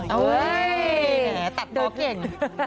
เฮ้ยตัดบอกอีก